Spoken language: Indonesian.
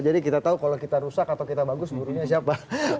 jadi kita tahu kalau kita rusak atau kita bagus gurunya siapa